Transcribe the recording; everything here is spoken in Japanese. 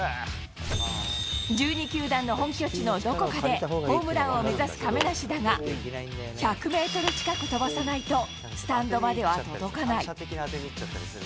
１２球団の本拠地のどこかで、ホームランを目指す亀梨だが、１００メートル近く飛ばさないと、スタンドまでは届かない。